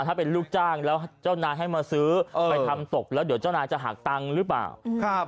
ถ้าเป็นลูกจ้างแล้วเจ้านายให้มาซื้อไปทำตกแล้วเดี๋ยวเจ้านายจะหักตังค์หรือเปล่า